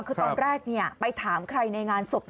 คือตอนแรกไปถามใครในงานศพ